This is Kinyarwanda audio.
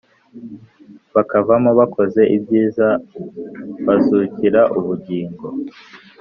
Bakavamo, abakoze ibyiza bazukira ubugingo,